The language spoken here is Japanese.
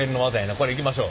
これいきましょう。